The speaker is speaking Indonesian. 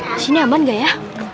disini aman gak ya